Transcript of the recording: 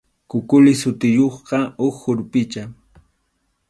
Kukuli sutiyuqqa huk urpicha.